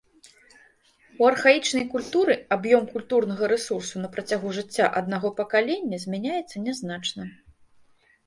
У архаічнай культуры аб'ём культурнага рэсурсу на працягу жыцця аднаго пакалення змяняецца нязначна.